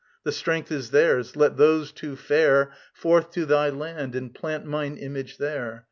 The strength is theirs. Let those two fare Forth to thy land and plant mine Image there.